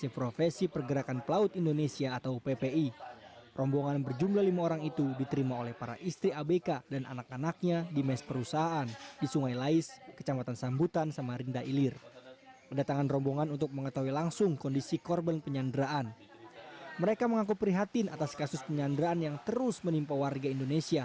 pembebasan terhadap korban penyanderaan